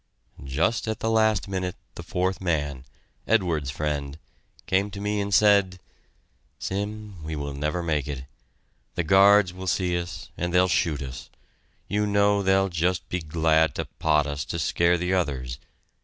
Just at the last minute the fourth man, Edwards's friend, came to me and said: "Sim, we will never make it. The guards will see us, and they'll shoot us you know they'll just be glad to pot us to scare the others.